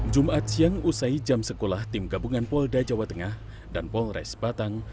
jumat siang usai jam sekolah tim gabungan pol da jawa tengah dan pol res batang